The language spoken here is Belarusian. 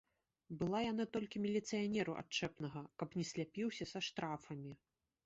Была яна толькі міліцыянеру адчэпнага, каб не сляпіўся са штрафамі.